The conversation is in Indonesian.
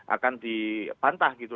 akan dibantah gitu